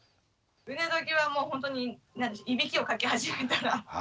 腕抜きはもうほんとにいびきをかき始めたら。